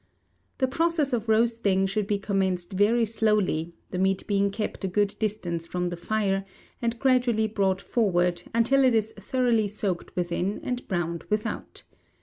The process of roasting should be commenced very slowly, the meat being kept a good distance from the fire, and gradually brought forward, until it is thoroughly soaked within and browned without.